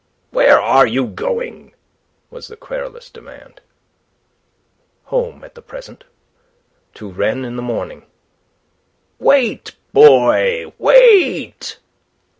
"Where are you going?" was the querulous demand. "Home at present. To Rennes in the morning." "Wait, boy, wait!"